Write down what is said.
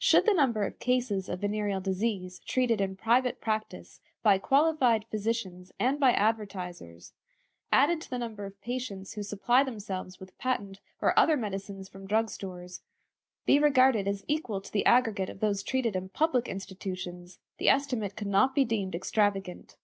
Should the number of cases of venereal disease treated in private practice by qualified physicians and by advertisers, added to the number of patients who supply themselves with patent or other medicines from drug stores, be regarded as equal to the aggregate of those treated in public institutions, the estimate could not be deemed extravagant.